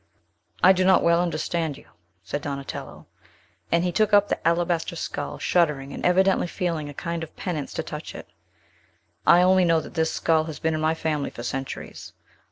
"I do not well understand you," said Donatello; and he took up the alabaster skull, shuddering, and evidently feeling it a kind of penance to touch it. "I only know that this skull has been in my family for centuries.